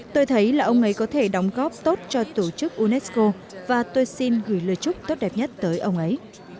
tôi thấy là ông ấy có thể đóng góp tốt cho tổ chức unesco và tôi xin gửi lời chúc tốt đẹp nhất tới ông ấy